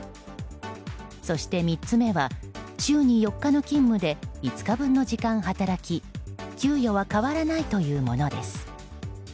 そして３つ目は週に４日の勤務で５日分の時間、働き給与は変わらないというものです。